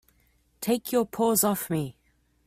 Take your paws off me!